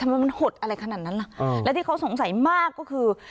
ทำไมมันหดอะไรขนาดนั้นล่ะและที่เขาสงสัยมากก็คือ